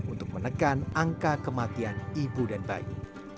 untuk menekan angka kematian ibu dan bayi